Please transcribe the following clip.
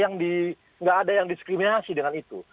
tidak ada yang diskriminasi dengan itu